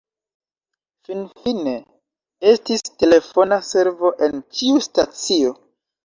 Finfine, estis telefona servo en ĉiu stacio.